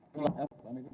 itulah pak liko